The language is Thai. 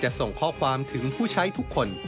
ส่งข้อความถึงผู้ใช้ทุกคน